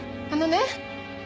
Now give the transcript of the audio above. あのね。